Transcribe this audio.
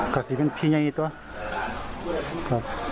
กัสดีเป็นพี่ไม่บอก